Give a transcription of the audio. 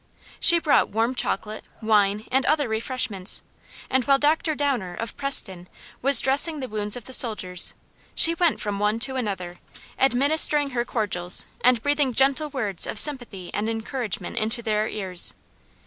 "She brought warm chocolate, wine, and other refreshments, and while Dr. Downer, of Preston, was dressing the wounds of the soldiers, she went from one to another, administering her cordials, and breathing gentle words of sympathy and encouragement into their ears.